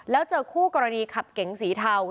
แล้วเจอคู่กรณีขับเก๋งสีเทา